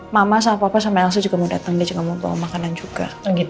mama sama papa sama elsa juga mau dateng dia juga mau bawa makanan juga